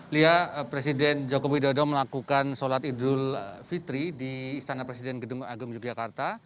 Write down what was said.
lihat presiden joko widodo melakukan sholat idul fitri di istana presiden gedung agung yogyakarta